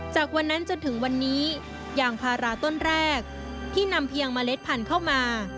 จากวันนั้นจนถึงวันนี้ยางพาราต้นแรกที่นำเพียงเมล็ดพันธุ์เข้ามา